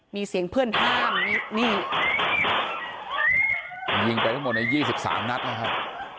มีเสียงเพื่อนท่ามนี่ยิงไปทั้งหมดในยี่สิบสามนัดนะครับ